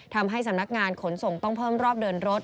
ทำให้สำนักงานขนส่งต้องเพิ่มรอบเดินรถ